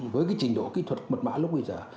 với cái trình độ kỹ thuật mật mã lúc bây giờ